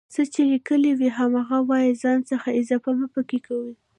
څه چې ليکلي وي هماغه وايئ ځان څخه اضافه مه پکې کوئ